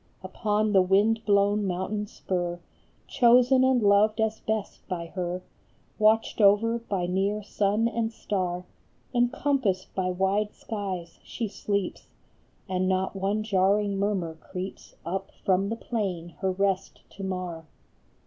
Upon the wind blown mountain spur Chosen and loved as best by her, Watched over by near sun and star, Encompassed by wide skies, she sleeps, And not one jarring murmur creeps Up from the plain her rest to mar.